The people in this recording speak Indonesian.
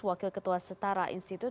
wakil ketua setara institut